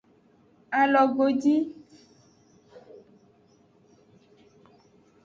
Alogodi.